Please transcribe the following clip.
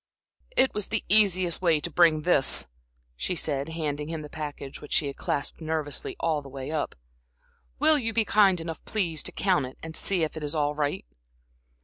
"It was the easiest way to bring this," she said, handing him the package which she had clasped nervously all the way up. "Will you be kind enough, please, to count it and see if it is all right?"